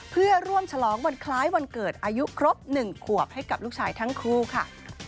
เพื่อร่วมฉลองวันคล้ายวันเกิดอายุครบ๑ขวบให้กับลูกชายทั้งคู่ค่ะ